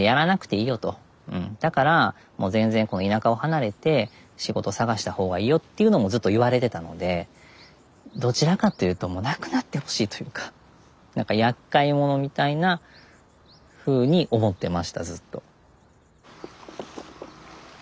だからもう全然この田舎を離れて仕事探した方がいいよっていうのもずっと言われてたのでどちらかっていうともうなくなってほしいというか何かやっかいものみたいなふうに思ってましたずっと。